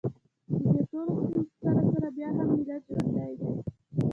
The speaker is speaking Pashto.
د دې ټولو ستونزو سره سره بیا هم ملت ژوندی دی